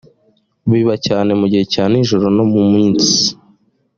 biba cyane mu gihe cya nijoro no mu minsi